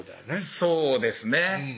そうですね